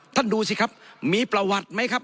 ดูสิครับมีประวัติไหมครับ